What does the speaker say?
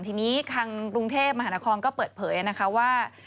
ทีนี้ทางกรุงเทพมหานครก็เปิดเผยนะคะว่า